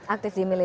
aktif di militer